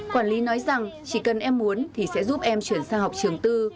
quản lý nói rằng chỉ cần em muốn thì sẽ giúp em chuyển sang học trường tư